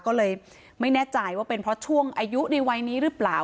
ก็เลยไม่แน่ใจว่าเป็นเพราะช่วงอายุในวัยนี้หรือเปล่า